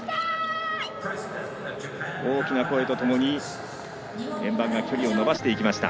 大きな声とともに円盤が距離を伸ばしていきました。